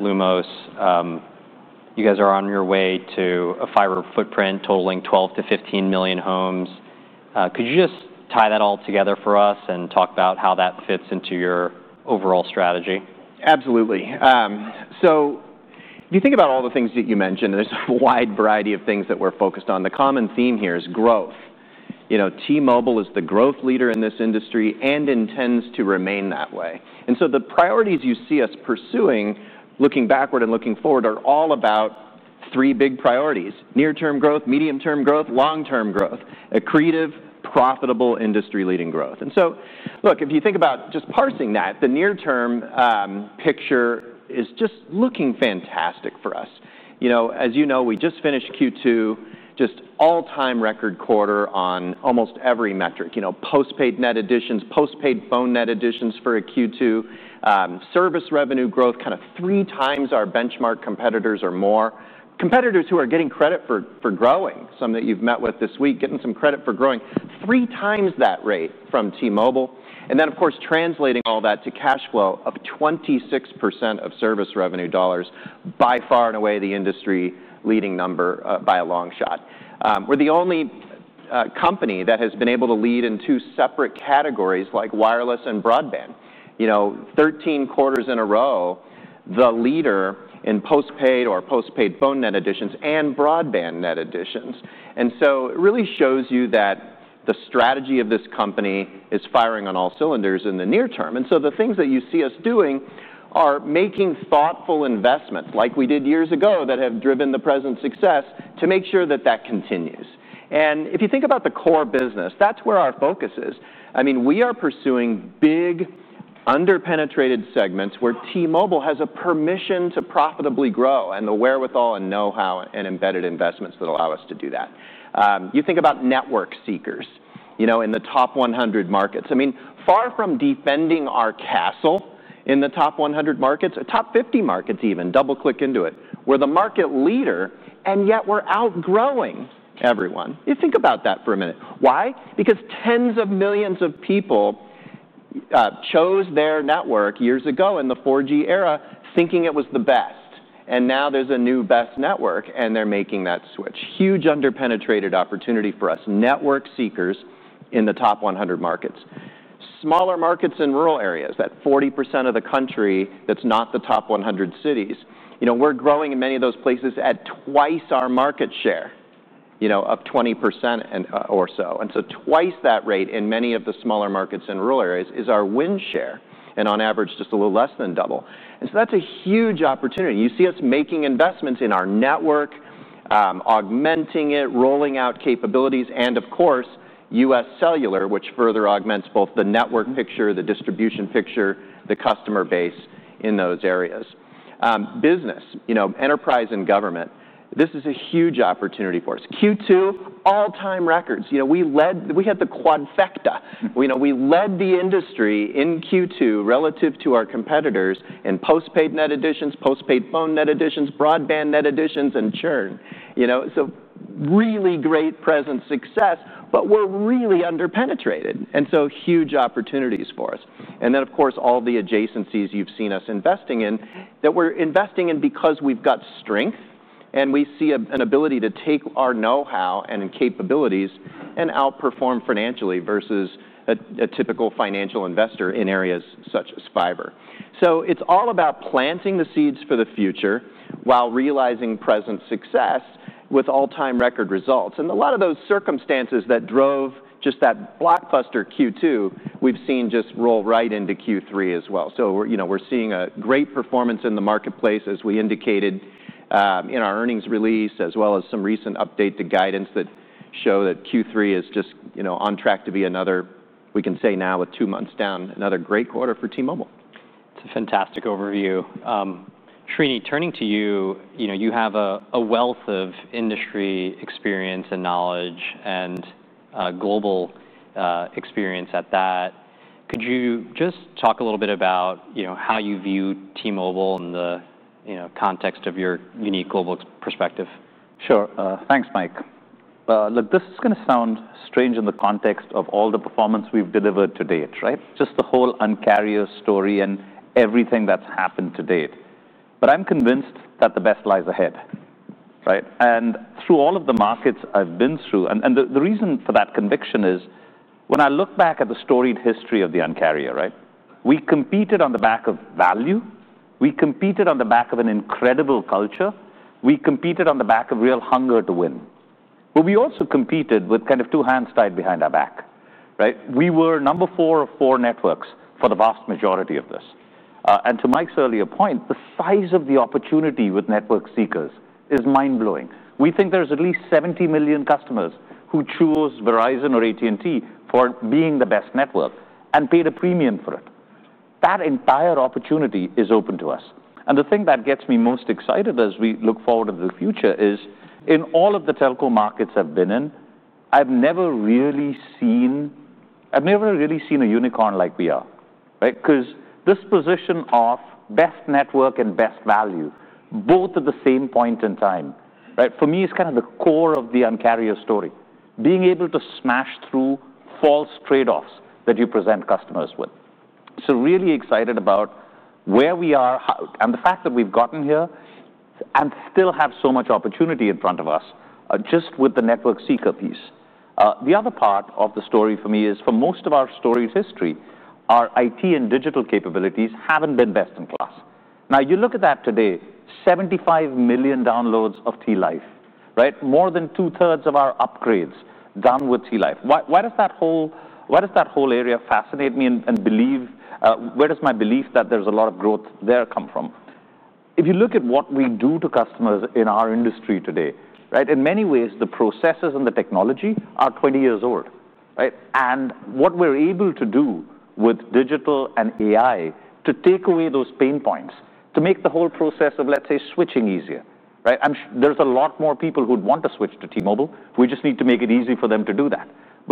Lumos, you guys are on your way to a fiber footprint totaling 12 million-15 million homes. Could you just tie that all together for us and talk about how that fits into your overall strategy? Absolutely. If you think about all the things that you mentioned, there's a wide variety of things that we're focused on. The common theme here is growth. You know, T-Mobile is the growth leader in this industry and intends to remain that way. The priorities you see us pursuing, looking backward and looking forward, are all about three big priorities: near-term growth, medium-term growth, long-term growth, a creative, profitable, industry-leading growth. If you think about just parsing that, the near-term picture is just looking fantastic for us. You know, as you know, we just finished Q2, just all-time record quarter on almost every metric. You know, postpaid net additions, postpaid phone net additions for a Q2, service revenue growth kind of three times our benchmark competitors or more. Competitors who are getting credit for growing, some that you've met with this week, getting some credit for growing, three times that rate from T-Mobile. Of course, translating all that to cash flow of 26% of service revenue dollars, by far and away the industry leading number by a long shot. We're the only company that has been able to lead in two separate categories like wireless and broadband. You know, 13 quarters in a row, the leader in postpaid or postpaid phone net additions and broadband net additions. It really shows you that the strategy of this company is firing on all cylinders in the near term. The things that you see us doing are making thoughtful investments like we did years ago that have driven the present success to make sure that that continues. If you think about the core business, that's where our focus is. I mean, we are pursuing big underpenetrated segments where T-Mobile has a permission to profitably grow and the wherewithal and know-how and embedded investments that allow us to do that. You think about network seekers, you know, in the top 100 markets. Far from defending our castle in the top 100 markets, top 50 markets even, double click into it, we're the market leader and yet we're outgrowing everyone. You think about that for a minute. Why? Because tens of millions of people chose their network years ago in the 4G era thinking it was the best. Now there's a new best network and they're making that switch. Huge underpenetrated opportunity for us, network seekers in the top 100 markets. Smaller markets in rural areas, that 40% of the country that's not the top 100 cities, you know, we're growing in many of those places at twice our market share, you know, up 20% or so. Twice that rate in many of the smaller markets in rural areas is our win share and on average just a little less than double. That's a huge opportunity. You see us making investments in our network, augmenting it, rolling out capabilities and of course, UScellular, which further augments both the network picture, the distribution picture, the customer base in those areas. Business, you know, enterprise and government, this is a huge opportunity for us. Q2, all-time records. We led, we had the quad factor. We led the industry in Q2 relative to our competitors in postpaid net additions, postpaid phone net additions, broadband net additions, and churn. Really great present success, but we're really underpenetrated. Huge opportunities for us. All the adjacencies you've seen us investing in that we're investing in because we've got strength and we see an ability to take our know-how and capabilities and outperform financially versus a typical financial investor in areas such as fiber. It's all about planting the seeds for the future while realizing present success with all-time record results. A lot of those circumstances that drove just that blockbuster Q2, we've seen just roll right into Q3 as well. We're seeing a great performance in the marketplace as we indicated in our earnings release, as well as some recent update to guidance that show that Q3 is just, you know, on track to be another, we can say now with two months down, another great quarter for T-Mobile. It's a fantastic overview. Srini, turning to you, you know, you have a wealth of industry experience and knowledge and global experience at that. Could you just talk a little bit about how you view T-Mobile in the context of your unique global perspective? Sure. Thanks, Mike. This is going to sound strange in the context of all the performance we've delivered to date, right? Just the whole Un-carrier story and everything that's happened to date. I'm convinced that the best lies ahead. Through all of the markets I've been through, the reason for that conviction is when I look back at the storied history of the Un-carrier, we competed on the back of value. We competed on the back of an incredible culture. We competed on the back of real hunger to win. We also competed with kind of two hands tied behind our back. We were number four of four networks for the vast majority of this. To Mike's earlier point, the size of the opportunity with network seekers is mind-blowing. We think there's at least 70 million customers who chose Verizon or AT&T for being the best network and paid a premium for it. That entire opportunity is open to us. The thing that gets me most excited as we look forward to the future is in all of the telco markets I've been in, I've never really seen a unicorn like we are. This position of best network and best value, both at the same point in time, for me is kind of the core of the Un-carrier story. Being able to smash through false trade-offs that you present customers with. I'm really excited about where we are and the fact that we've gotten here and still have so much opportunity in front of us just with the network seeker piece. The other part of the story for me is for most of our story's history, our IT and digital capabilities haven't been best in class. Now you look at that today, 75 million downloads of T-Life, right? More than 2/3 of our upgrades done with T-Life. Why does that whole area fascinate me and where does my belief that there's a lot of growth there come from? If you look at what we do to customers in our industry today, in many ways, the processes and the technology are 20 years old. What we're able to do with digital and AI to take away those pain points, to make the whole process of, let's say, switching easier. There's a lot more people who'd want to switch to T-Mobile. We just need to make it easy for them to do that.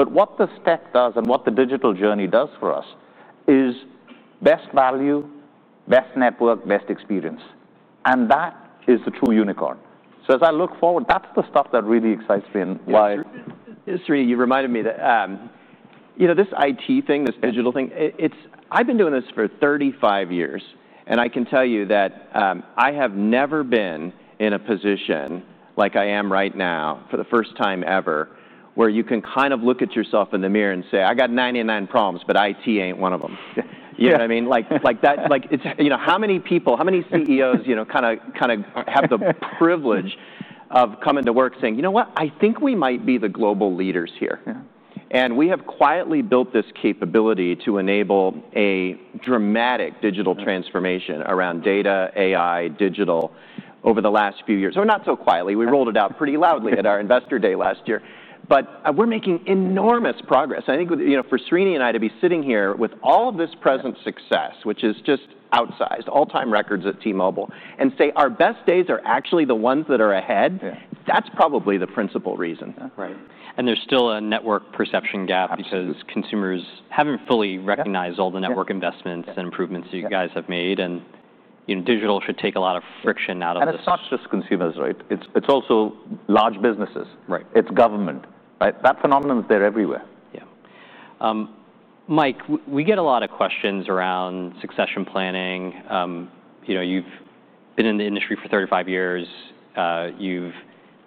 What the tech does and what the digital journey does for us is best value, best network, best experience. That is the true unicorn. As I look forward, that's the stuff that really excites me and why. Srini, you reminded me that, you know, this IT thing, this digital thing, it's, I've been doing this for 35 years. I can tell you that I have never been in a position like I am right now for the first time ever, where you can kind of look at yourself in the mirror and say, I got 99 problems, but IT ain't one of them. You know what I mean? Like that, like, you know, how many people, how many CEOs, you know, kind of, kind of have the privilege of coming to work saying, you know what, I think we might be the global leaders here. We have quietly built this capability to enable a dramatic digital transformation around data, AI, digital over the last few years. Not so quietly, we rolled it out pretty loudly at our investor day last year. We're making enormous progress. I think, you know, for Srini and I to be sitting here with all of this present success, which is just outsized all-time records at T-Mobile and say our best days are actually the ones that are ahead. That's probably the principal reason. Right. There's still a network perception gap because consumers haven't fully recognized all the network investments and improvements you guys have made. Digital should take a lot of friction out of this. It's not just consumers, right? It's also large businesses. It's government. That phenomenon is there everywhere. Yeah. Mike, we get a lot of questions around succession planning. You know, you've been in the industry for 35 years. You've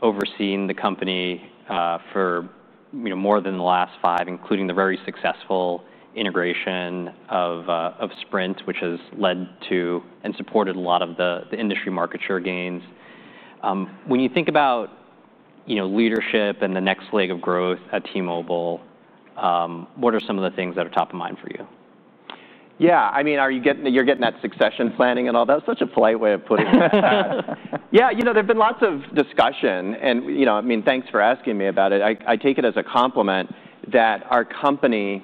overseen the company for, you know, more than the last five, including the very successful integration of Sprint, which has led to and supported a lot of the industry market share gains. When you think about, you know, leadership and the next leg of growth at T-Mobile, what are some of the things that are top of mind for you? Yeah, I mean, are you getting, you're getting that succession planning and all that, such a polite way of putting it. Yeah, you know, there've been lots of discussion and, you know, I mean, thanks for asking me about it. I take it as a compliment that our company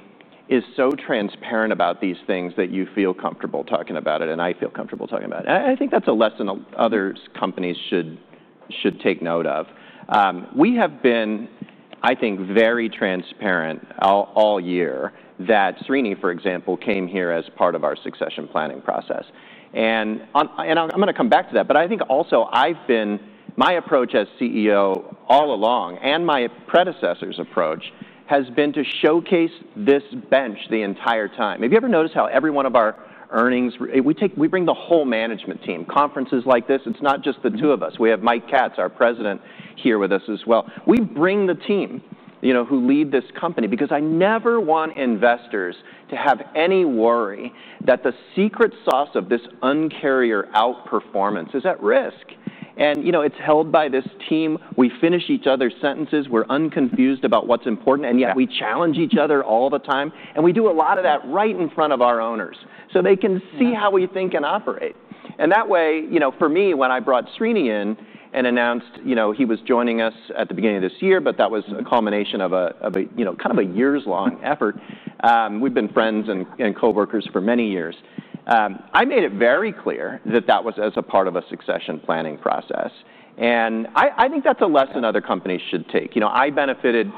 is so transparent about these things that you feel comfortable talking about it. I feel comfortable talking about it. I think that's a lesson other companies should take note of. We have been, I think, very transparent all year that Srini, for example, came here as part of our succession planning process. I'm going to come back to that. I think also I've been, my approach as CEO all along and my predecessor's approach has been to showcase this bench the entire time. Have you ever noticed how every one of our earnings, we take, we bring the whole management team to conferences like this. It's not just the two of us. We have Mike Katz, our President, here with us as well. We bring the team, you know, who lead this company because I never want investors to have any worry that the secret sauce of this Un-carrier outperformance is at risk. You know, it's held by this team. We finish each other's sentences. We're unconfused about what's important. Yet we challenge each other all the time. We do a lot of that right in front of our owners so they can see how we think and operate. That way, you know, for me, when I brought Srini in and announced, you know, he was joining us at the beginning of this year, that was a culmination of a, you know, kind of a years-long effort. We've been friends and coworkers for many years. I made it very clear that that was as a part of a succession planning process. I think that's a lesson other companies should take. You know, I benefited,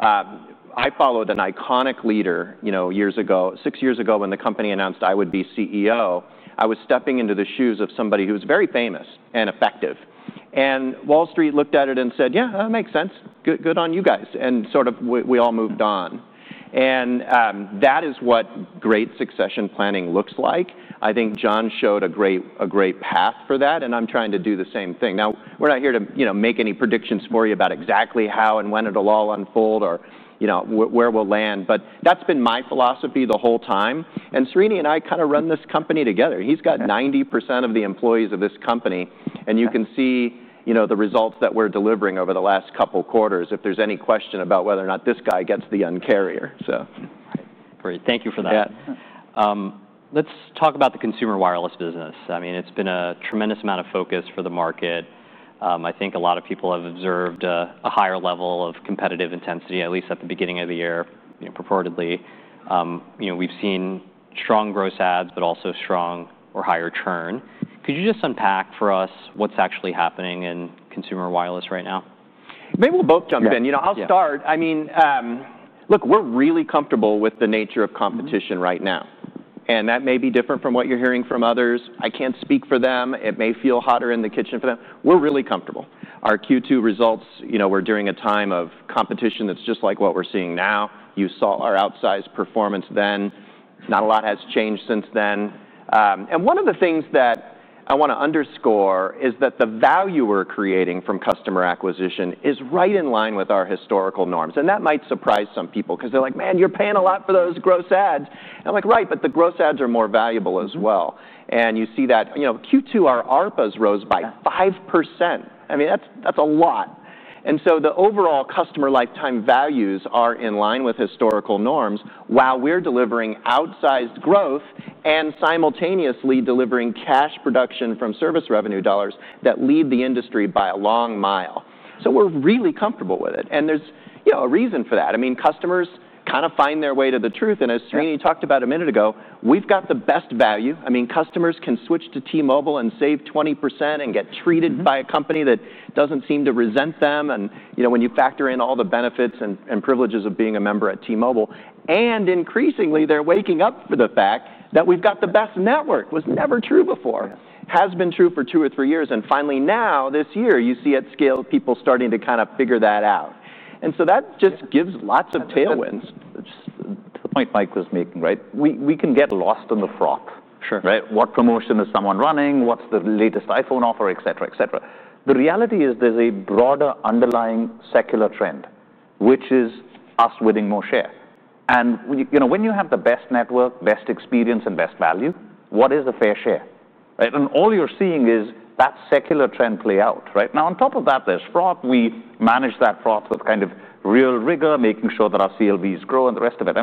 I followed an iconic leader, you know, years ago, six years ago when the company announced I would be CEO. I was stepping into the shoes of somebody who was very famous and effective. Wall Street looked at it and said, yeah, that makes sense. Good on you guys. We all moved on. That is what great succession planning looks like. I think John showed a great, a great path for that. I'm trying to do the same thing. Now we're not here to, you know, make any predictions for you about exactly how and when it'll all unfold or, you know, where we'll land. That's been my philosophy the whole time. Srini and I kind of run this company together. He's got 90% of the employees of this company. You can see, you know, the results that we're delivering over the last couple of quarters. If there's any question about whether or not this guy gets the Un-carrier. Great, thank you for that. Yeah, let's talk about the consumer wireless business. I mean, it's been a tremendous amount of focus for the market. I think a lot of people have observed a higher level of competitive intensity, at least at the beginning of the year, purportedly. We've seen strong gross ads, but also strong or higher churn. Could you just unpack for us what's actually happening in consumer wireless right now? Maybe we'll both jump in. I'll start. I mean, look, we're really comfortable with the nature of competition right now. That may be different from what you're hearing from others. I can't speak for them. It may feel hotter in the kitchen for them. We're really comfortable. Our Q2 results were during a time of competition that's just like what we're seeing now. You saw our outsized performance then. Not a lot has changed since then. One of the things that I want to underscore is that the value we're creating from customer acquisition is right in line with our historical norms. That might surprise some people because they're like, man, you're paying a lot for those gross ads. I'm like, right, but the gross ads are more valuable as well. You see that Q2, our ARPAs rose by 5%. I mean, that's a lot. The overall customer lifetime values are in line with historical norms while we're delivering outsized growth and simultaneously delivering cash production from service revenue dollars that lead the industry by a long mile. We're really comfortable with it. There's a reason for that. Customers kind of find their way to the truth. As Srini talked about a minute ago, we've got the best value. Customers can switch to T-Mobile and save 20% and get treated by a company that doesn't seem to resent them. When you factor in all the benefits and privileges of being a member at T-Mobile, and increasingly they're waking up to the fact that we've got the best network, was never true before, has been true for two or three years. Finally now this year, you see at scale, people starting to kind of figure that out. That just gives lots of tailwinds. That's the point Mike Sievert was making, right? We can get lost in the froth. Sure. Right? What promotion is someone running? What's the latest iPhone offer, et cetera, et cetera. The reality is there's a broader underlying secular trend, which is us winning more share. You know, when you have the best network, best experience, and best value, what is the fair share? All you're seeing is that secular trend play out. Right now, on top of that, there's froth. We manage that froth with kind of real rigor, making sure that our CLVs grow and the rest of it.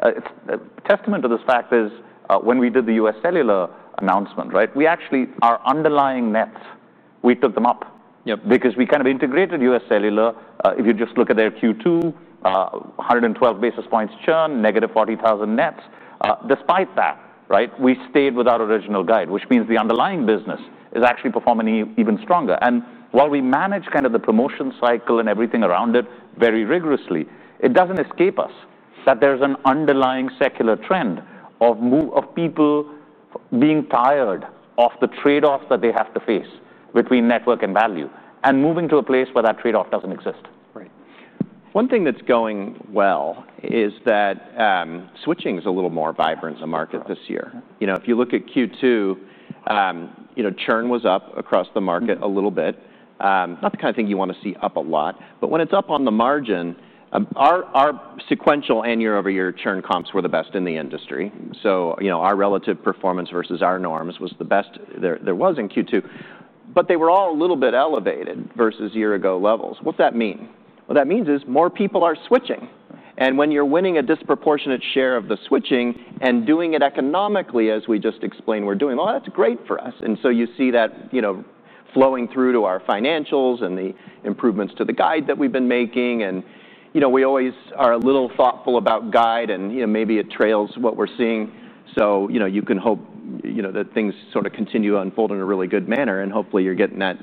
A testament to this fact is when we did the UScellular announcement, right, we actually, our underlying nets, we took them up because we kind of integrated UScellular. If you just look at their Q2, 112 basis points churn, negative 40,000 nets. Despite that, we stayed with our original guide, which means the underlying business is actually performing even stronger. While we manage kind of the promotion cycle and everything around it very rigorously, it doesn't escape us that there's an underlying secular trend of people being tired of the trade-offs that they have to face between network and value and moving to a place where that trade-off doesn't exist. Right. One thing that's going well is that switching is a little more vibrant in the market this year. If you look at Q2, churn was up across the market a little bit. Not the kind of thing you want to see up a lot, but when it's up on the margin, our sequential and year over year churn comps were the best in the industry. Our relative performance versus our norms was the best there was in Q2. They were all a little bit elevated versus year ago levels. What that means is more people are switching. When you're winning a disproportionate share of the switching and doing it economically, as we just explained we're doing, that's great for us. You see that flowing through to our financials and the improvements to the guide that we've been making. We always are a little thoughtful about guide and maybe it trails what we're seeing. You can hope that things sort of continue to unfold in a really good manner. Hopefully you're getting that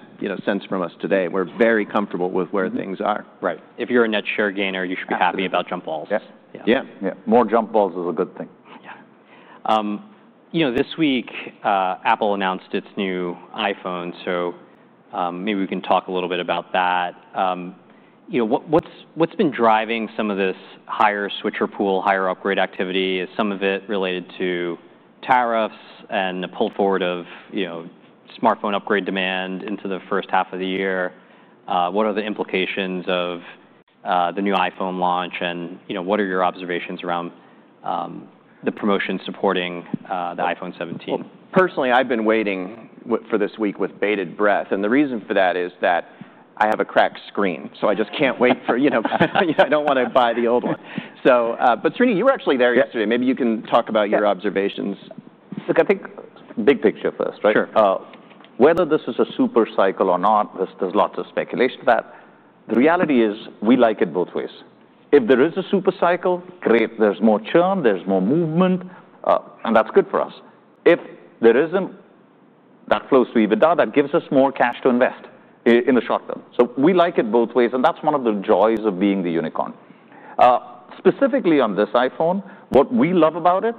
sense from us today. We're very comfortable with where things are. Right. If you're a net share gainer, you should be happy about jump balls. Yes. Yeah, yeah. More jump balls is a good thing. Yeah, you know, this week, Apple announced its new iPhone. Maybe we can talk a little bit about that. You know, what's been driving some of this higher switcher pool, higher upgrade activity? Is some of it related to tariffs and the pull forward of smartphone upgrade demand into the first half of the year? What are the implications of the new iPhone launch? You know, what are your observations around the promotion supporting the iPhone 17? Personally, I've been waiting for this week with bated breath. The reason for that is that I have a cracked screen. I just can't wait for, you know, I don't want to buy the old one. Srini, you were actually there yesterday. Maybe you can talk about your observations. Look, I think big picture first, right? Sure. Whether this is a super cycle or not, there's lots of speculation about. The reality is we like it both ways. If there is a super cycle, great, there's more churn, there's more movement, and that's good for us. If there isn't, that flows through EBITDA, that gives us more cash to invest in the short term. We like it both ways. That's one of the joys of being the unicorn. Specifically on this iPhone, what we love about it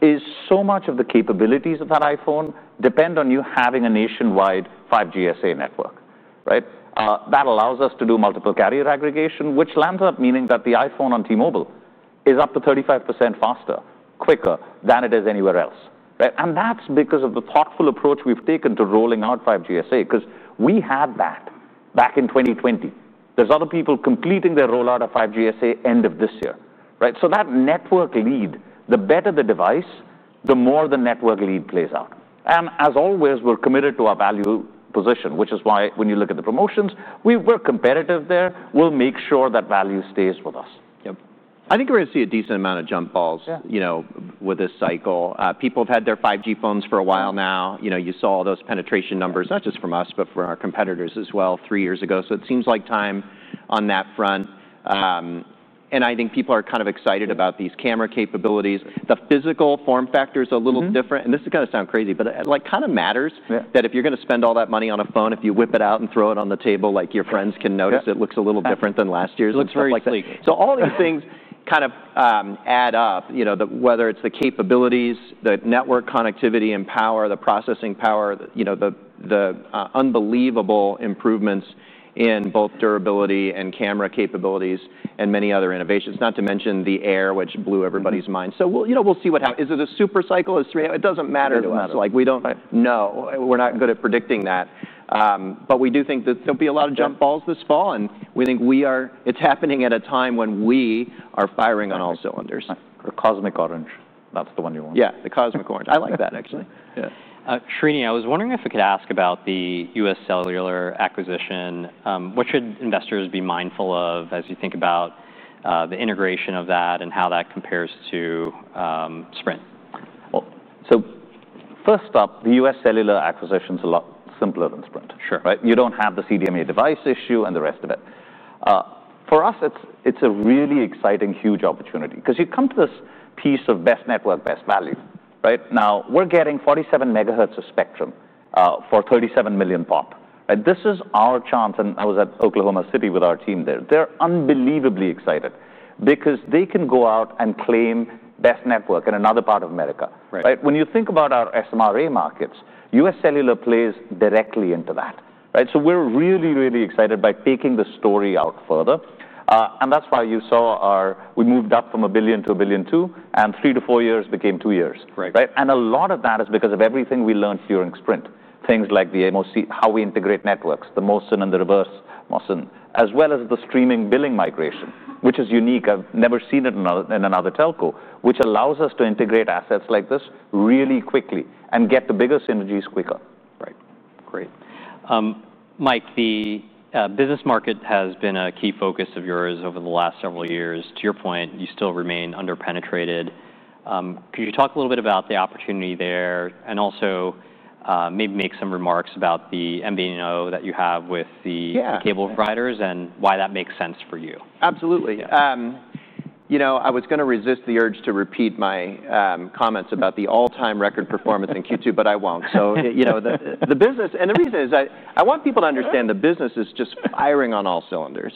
is so much of the capabilities of that iPhone depend on you having a nationwide 5GSA network. That allows us to do multiple carrier aggregation, which ends up meaning that the iPhone on T-Mobile is up to 35% faster, quicker than it is anywhere else. That's because of the thoughtful approach we've taken to rolling out 5GSA because we had that back in 2020. There are other people completing their rollout of 5GSA end of this year. That network lead, the better the device, the more the network lead plays out. As always, we're committed to our value position, which is why when you look at the promotions, we're competitive there. We'll make sure that value stays with us. Yep. I think we're going to see a decent amount of jump balls, you know, with this cycle. People have had their 5G phones for a while now. You know, you saw those penetration numbers, not just from us, but from our competitors as well three years ago. It seems like time on that front. I think people are kind of excited about these camera capabilities. The physical form factor is a little different. This is going to sound crazy, but it kind of matters that if you're going to spend all that money on a phone, if you whip it out and throw it on the table, your friends can notice it looks a little different than last year's, looks likely. All these things kind of add up, whether it's the capabilities, the network connectivity and power, the processing power, the unbelievable improvements in both durability and camera capabilities, and many other innovations, not to mention the air, which blew everybody's mind. We'll see what happens. Is it a super cycle? It doesn't matter to us. We don't know. We're not good at predicting that. We do think that there'll be a lot of jump balls this fall, and we think it's happening at a time when we are firing on all cylinders. The cosmic orange. That's the one you want. Yeah, the cosmic orange. I like that actually. Yeah. Srini, I was wondering if I could ask about the UScellular acquisition. What should investors be mindful of as you think about the integration of that and how that compares to Sprint? The UScellular acquisition is a lot simpler than Sprint. Sure. Right. You don't have the CDMA device issue and the rest of it. For us, it's a really exciting, huge opportunity because you come to this piece of best network, best value. Right now, we're getting 47 MHz of spectrum for 37 million POP. This is our chance. I was at Oklahoma City with our team there. They're unbelievably excited because they can go out and claim best network in another part of America. When you think about our SMRA markets, UScellular plays directly into that. We're really, really excited by taking the story out further. That's why you saw we moved up from $1 billion to $1.2 billion, and three to four years became two years. Right. A lot of that is because of everything we learned during Sprint. Things like the MOC, how we integrate networks, the [MOSIN and the reverse MOSIN], as well as the streaming billing migration, which is unique. I've never seen it in another telco, which allows us to integrate assets like this really quickly and get the bigger synergies quicker. Right. Great. Mike, the business market has been a key focus of yours over the last several years. To your point, you still remain underpenetrated. Could you talk a little bit about the opportunity there and also maybe make some remarks about the MVNO that you have with the cable providers and why that makes sense for you? Absolutely. You know, I was going to resist the urge to repeat my comments about the all-time record performance in Q2, but I won't. The business, and the reason is I want people to understand the business is just firing on all cylinders.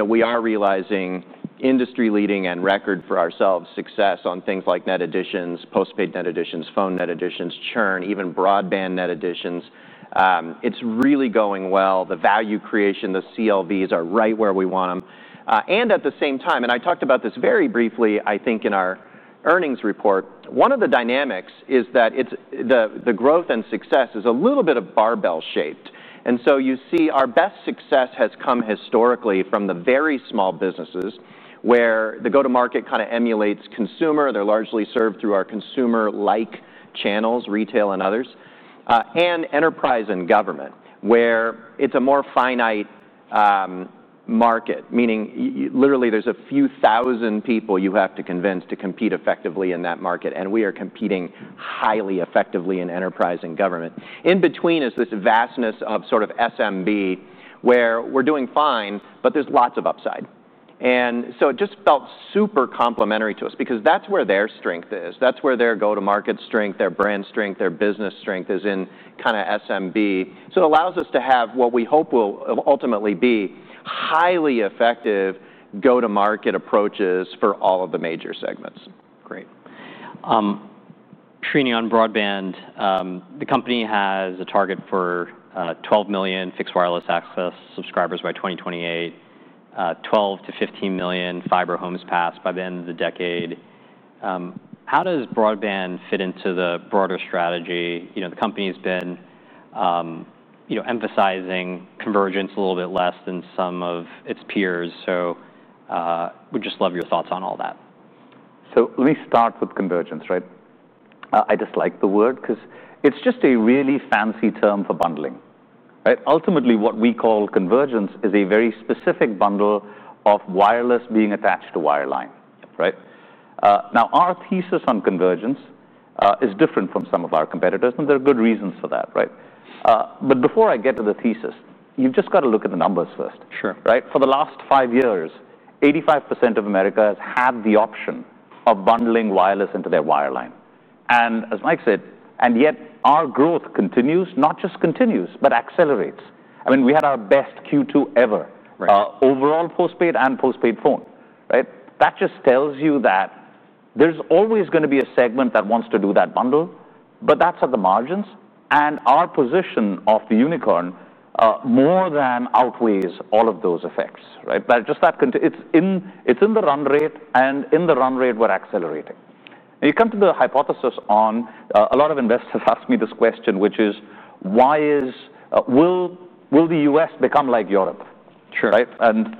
We are realizing industry-leading and record for ourselves success on things like net additions, postpaid net additions, phone net additions, churn, even broadband net additions. It's really going well. The value creation, the CLVs are right where we want them. At the same time, and I talked about this very briefly, I think in our earnings report, one of the dynamics is that the growth and success is a little bit barbell shaped. You see our best success has come historically from the very small businesses where the go-to-market kind of emulates consumer. They're largely served through our consumer-like channels, retail and others, and enterprise and government where it's a more finite market, meaning literally there's a few thousand people you have to convince to compete effectively in that market. We are competing highly effectively in enterprise and government. In between is this vastness of sort of SMB where we're doing fine, but there's lots of upside. It just felt super complimentary to us because that's where their strength is. That's where their go-to-market strength, their brand strength, their business strength is in kind of SMB. It allows us to have what we hope will ultimately be highly effective go-to-market approaches for all of the major segments. Great. Srini, on broadband, the company has a target for 12 million fixed wireless access subscribers by 2028, 12 million-15 million fiber homes passed by the end of the decade. How does broadband fit into the broader strategy? The company's been emphasizing convergence a little bit less than some of its peers. We'd just love your thoughts on all that. Let me start with convergence, right? I just like the word because it's just a really fancy term for bundling, right. Ultimately, what we call convergence is a very specific bundle of wireless being attached to wireline, right. Now our thesis on convergence is different from some of our competitors, and there are good reasons for that, right. Before I get to the thesis, you've just got to look at the numbers first. Sure. Right. For the last five years, 85% of America has had the option of bundling wireless into their wireline. As Mike said, yet our growth continues, not just continues, but accelerates. We had our best Q2 ever, overall postpaid and postpaid phone. That just tells you that there's always going to be a segment that wants to do that bundle, but that's at the margins. Our position of the unicorn more than outweighs all of those effects. It's in the run rate and in the run rate we're accelerating. You come to the hypothesis on, a lot of investors ask me this question, which is why is, will, will the U.S. become like Europe? Sure. Right.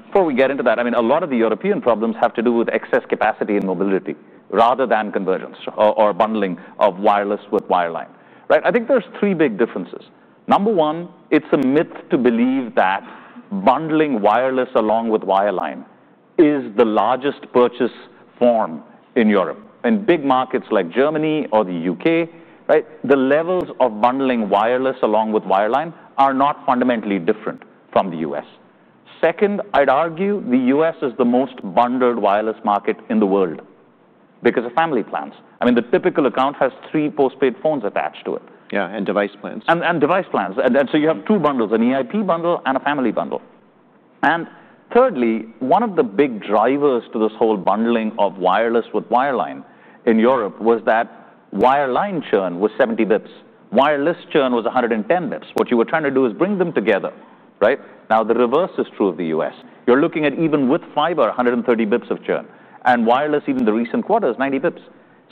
Before we get into that, a lot of the European problems have to do with excess capacity and mobility rather than convergence or bundling of wireless with wireline. I think there's three big differences. Number one, it's a myth to believe that bundling wireless along with wireline is the largest purchase form in Europe. In big markets like Germany or the UK, the levels of bundling wireless along with wireline are not fundamentally different from the U.S. Second, I'd argue the U.S. is the most bundled wireless market in the world because of family plans. The typical account has three postpaid phones attached to it. Yeah, and device plans. You have two bundles, an EIP bundle and a family bundle. Thirdly, one of the big drivers to this whole bundling of wireless with wireline in Europe was that wireline churn was 70 bps. Wireless churn was 110 bps. What you were trying to do is bring them together. Right. Now the reverse is true of the U.S. You're looking at, even with fiber, 130 bps of churn, and wireless, even the recent quarters, 90 bps.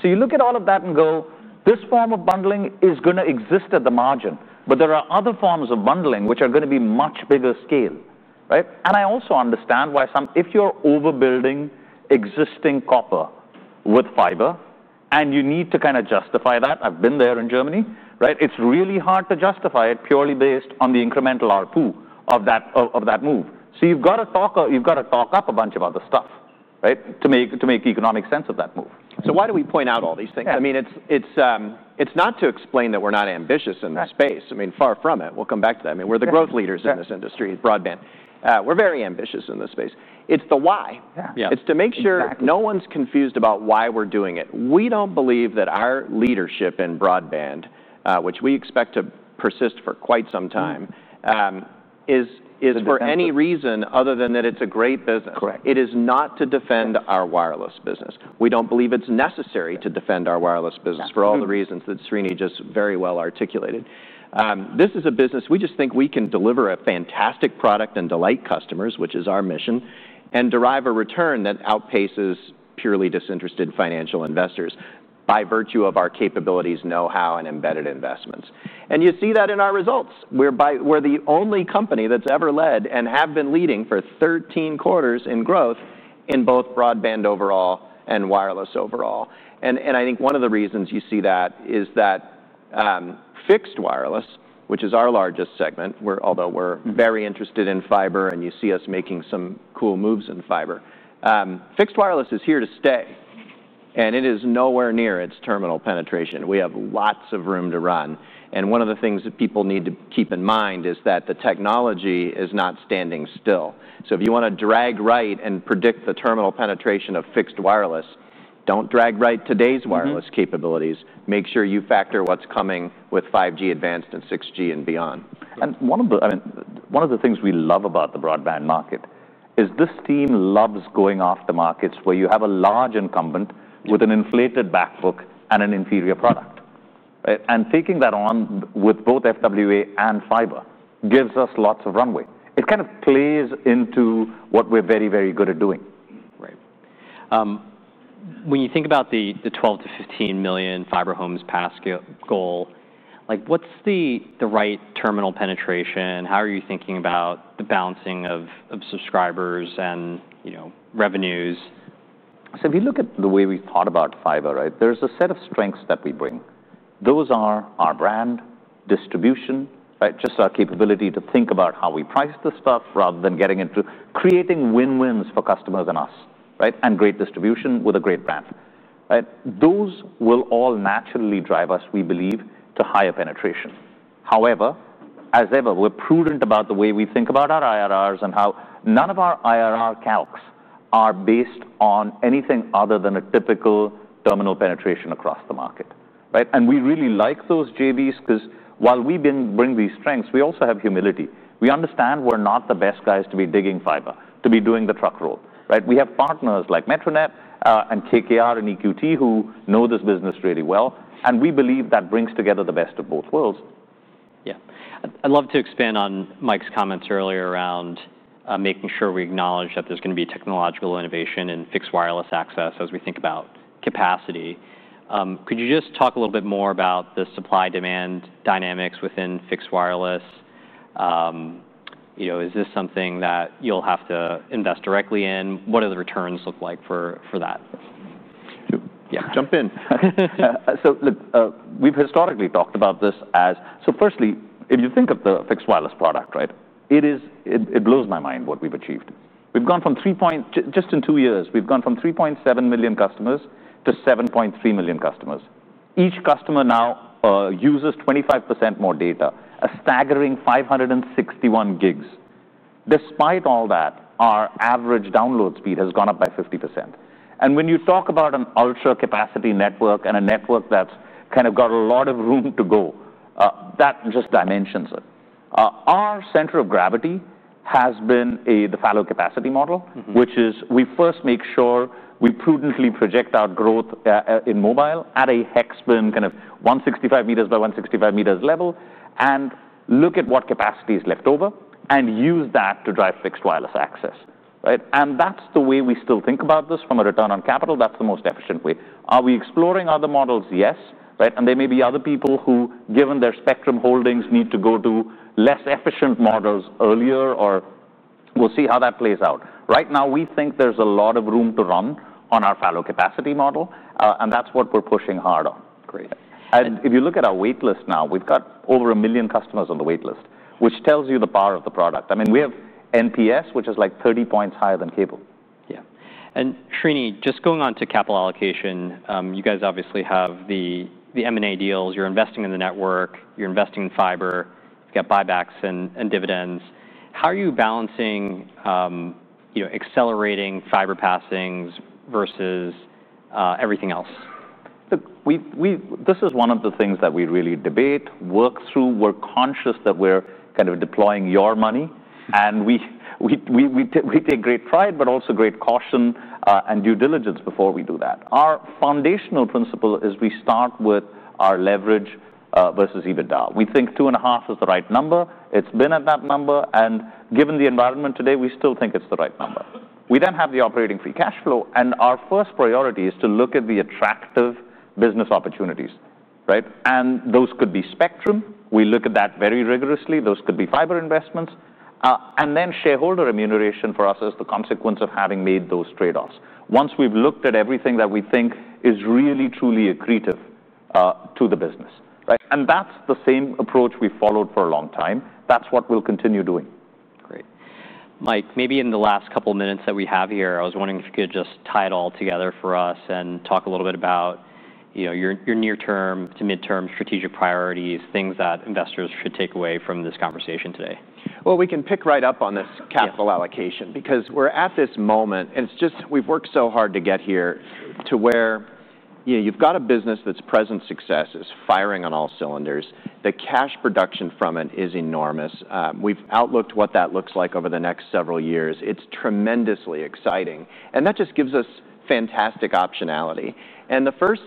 You look at all of that and go, this form of bundling is going to exist at the margin. There are other forms of bundling which are going to be much bigger scale. I also understand why some, if you're overbuilding existing copper with fiber and you need to kind of justify that, I've been there in Germany. It's really hard to justify it purely based on the incremental ARPU of that move. You've got to talk up a bunch of other stuff to make economic sense of that move. Why do we point out all these things? It's not to explain that we're not ambitious in this space. Far from it. We'll come back to that. We're the growth leaders in this industry, broadband. We're very ambitious in this space. It's the why. It's to make sure no one's confused about why we're doing it. We don't believe that our leadership in broadband, which we expect to persist for quite some time, is for any reason other than that it's a great business. Correct. It is not to defend our wireless business. We don't believe it's necessary to defend our wireless business for all the reasons that Srini just very well articulated. This is a business we just think we can deliver a fantastic product and delight customers, which is our mission, and derive a return that outpaces purely disinterested financial investors by virtue of our capabilities, know-how, and embedded investments. You see that in our results. We're the only company that's ever led and have been leading for 13 quarters in growth in both broadband overall and wireless overall. I think one of the reasons you see that is that fixed wireless, which is our largest segment, although we're very interested in fiber and you see us making some cool moves in fiber, fixed wireless is here to stay. It is nowhere near its terminal penetration. We have lots of room to run. One of the things that people need to keep in mind is that the technology is not standing still. If you want to drag right and predict the terminal penetration of fixed wireless, don't drag right today's wireless capabilities. Make sure you factor what's coming with 5G advanced and 6G and beyond. One of the things we love about the broadband market is this team loves going off the markets where you have a large incumbent with an inflated bankbook and an inferior product. Taking that on with both FWA and fiber gives us lots of runway. It kind of plays into what we're very, very good at doing. Right. When you think about the 12 million-15 million fiber homes passed goal, what's the right terminal penetration? How are you thinking about the balancing of subscribers and, you know, revenues? If you look at the way we've thought about fiber, there's a set of strengths that we bring. Those are our brand, distribution, just our capability to think about how we price the stuff rather than getting into creating win-wins for customers and us, and great distribution with a great brand. Those will all naturally drive us, we believe, to higher penetration. However, as ever, we're prudent about the way we think about our IRRs and how none of our IRR calcs are based on anything other than a typical terminal penetration across the market. We really like those JVs because while we bring these strengths, we also have humility. We understand we're not the best guys to be digging fiber, to be doing the truck roll. We have partners like Metronet and KKR and EQT who know this business really well. We believe that brings together the best of both worlds. Yeah. I'd love to expand on Mike's comments earlier around making sure we acknowledge that there's going to be technological innovation in fixed wireless access as we think about capacity. Could you just talk a little bit more about the supply-demand dynamics within fixed wireless? You know, is this something that you'll have to invest directly in? What do the returns look like for that? Sure. Yeah. Jump in. Look, we've historically talked about this as, firstly, if you think of the fixed wireless product, it blows my mind what we've achieved. We've gone from 3.2, just in two years, we've gone from 3.7 million customers to 7.3 million customers. Each customer now uses 25% more data, a staggering 561 gigs. Despite all that, our average download speed has gone up by 50%. When you talk about an ultra-capacity network and a network that's kind of got a lot of room to go, that just dimensions it. Our center of gravity has been the fallow capacity model, which is we first make sure we prudently project our growth in mobile at a hex spin, kind of 165 m by 165 m level, and look at what capacity is left over and use that to drive fixed wireless access. That's the way we still think about this from a return on capital. That's the most efficient way. Are we exploring other models? Yes. There may be other people who, given their spectrum holdings, need to go to less efficient models earlier, or we'll see how that plays out. Right now, we think there's a lot of room to run on our fallow capacity model, and that's what we're pushing hard on. Great. If you look at our waitlist now, we've got over 1 million customers on the waitlist, which tells you the power of the product. We have NPS, which is like 30 points higher than cable. Yeah. Srini, just going on to capital allocation, you guys obviously have the M&A deals. You're investing in the network. You're investing in fiber. You've got buybacks and dividends. How are you balancing, you know, accelerating fiber passings versus everything else? Look, this is one of the things that we really debate, work through. We're conscious that we're kind of deploying your money. We take great pride, but also great caution, and due diligence before we do that. Our foundational principle is we start with our leverage, versus EBITDA. We think 2.5x is the right number. It's been at that number. Given the environment today, we still think it's the right number. We then have the operating free cash flow. Our first priority is to look at the attractive business opportunities. Right. Those could be spectrum. We look at that very rigorously. Those could be fiber investments, and then shareholder remuneration for us as the consequence of having made those trade-offs. Once we've looked at everything that we think is really truly accretive to the business. Right. That's the same approach we followed for a long time. That's what we'll continue doing. Great. Mike, maybe in the last couple of minutes that we have here, I was wondering if you could just tie it all together for us and talk a little bit about your near-term to mid-term strategic priorities, things that investors should take away from this conversation today. We can pick right up on this capital allocation because we're at this moment. It's just, we've worked so hard to get here to where, you know, you've got a business that's present success, is firing on all cylinders. The cash production from it is enormous. We've outlooked what that looks like over the next several years. It's tremendously exciting. That just gives us fantastic optionality. The first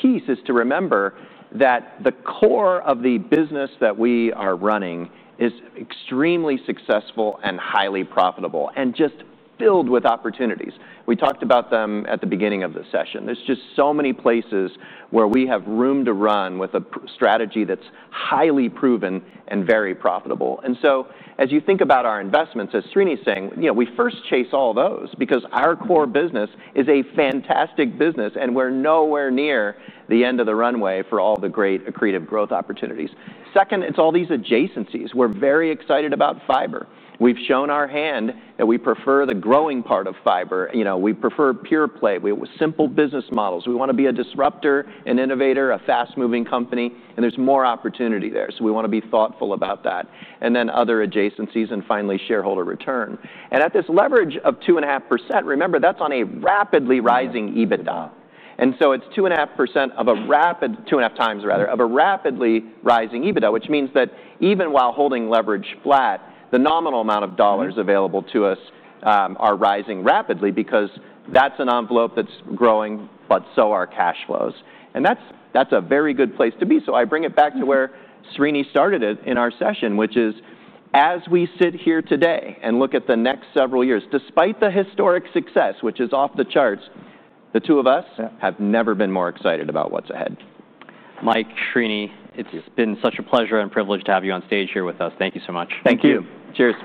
piece is to remember that the core of the business that we are running is extremely successful and highly profitable and just filled with opportunities. We talked about them at the beginning of the session. There are just so many places where we have room to run with a strategy that's highly proven and very profitable. As you think about our investments, as Srini is saying, you know, we first chase all those because our core business is a fantastic business and we're nowhere near the end of the runway for all the great accretive growth opportunities. Second, it's all these adjacencies. We're very excited about fiber. We've shown our hand and we prefer the growing part of fiber. You know, we prefer pure play. We have simple business models. We want to be a disruptor, an innovator, a fast-moving company, and there's more opportunity there. We want to be thoughtful about that. Then other adjacencies and finally shareholder return. At this leverage of 2.5x, remember that's on a rapidly rising EBITDA. It's 2.5x of a rapid, 2.5x rather of a rapidly rising EBITDA, which means that even while holding leverage flat, the nominal amount of dollars available to us are rising rapidly because that's an envelope that's growing, but so are cash flows. That's a very good place to be. I bring it back to where Srini started it in our session, which is as we sit here today and look at the next several years, despite the historic success, which is off the charts, the two of us have never been more excited about what's ahead. Mike, Srini, it's been such a pleasure and privilege to have you on stage here with us. Thank you so much. Thank you. Cheers.